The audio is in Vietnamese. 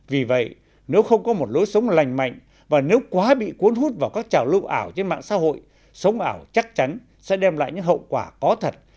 vì vậy nếu không có một lối sống lành mạnh và nếu quá bị cuốn hút vào các trào lưu ảo trên mạng xã hội sống ảo chắc chắn sẽ đem lại những hậu quả có thật